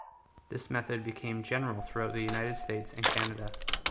This method became general throughout the United States and Canada.